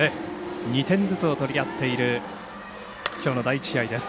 ２点ずつを取り合っているきょうの第１試合です。